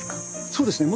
そうですね。